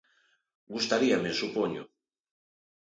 Gustaríame, supoño.